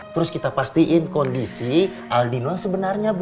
terus kita pastiin kondisi aldino yang sebenarnya